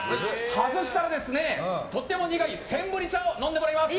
外したらとても苦いセンブリ茶を飲んでもらいます。